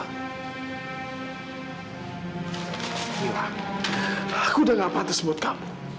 mila aku udah gak patut sebut kamu